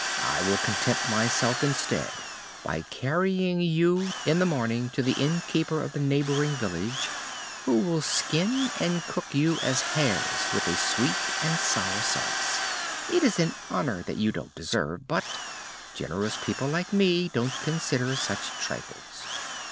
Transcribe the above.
I will content myself instead by carrying you in the morning to the innkeeper of the neighboring village, who will skin and cook you as hares with a sweet and sour sauce. It is an honor that you don't deserve, but generous people like me don't consider such trifles!"